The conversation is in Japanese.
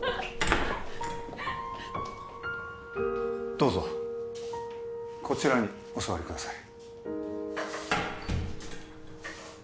どうぞこちらにお座りください